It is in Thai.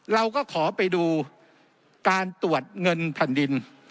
เราก็ขอไปดูการตรวจเงินแผ่นดิน